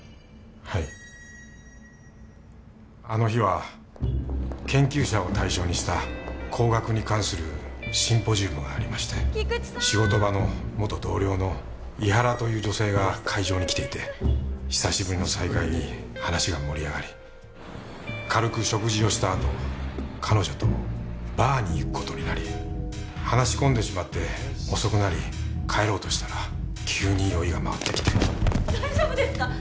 はいあの日は研究者を対象にした光学に関するシンポジウムがありまして・菊池さーん・元同僚の井原という女性が会場に来ていて久しぶりの再会に話が盛り上がり軽く食事をしたあと彼女とバーに行くことになり話し込んでしまって遅くなり帰ろうとしたら急に酔いが回ってきて大丈夫ですか？